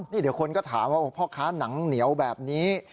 นี่เดี๋ยวคนก็ถามว่าพ่อค้าหนังเหนียวแบบนี้